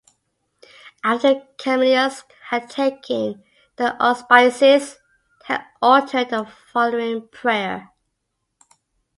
After Camillus had taken the auspices, he had uttered the following prayer.